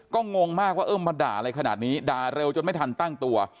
ก็งงมากว่าเออมาด่าอะไรขนาดนี้ด่าเร็วจนไม่ทันตั้งตัว